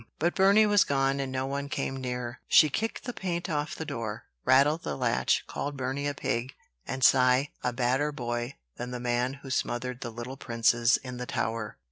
But Burney was gone, and no one came near her. She kicked the paint off the door, rattled the latch, called Burney a "pig," and Cy "a badder boy than the man who smothered the little princes in the Tower."